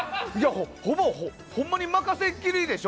ほんまに任せっきりでしょ。